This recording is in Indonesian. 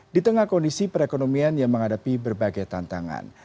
di tengah kondisi perekonomian yang menghadapi berbagai tantangan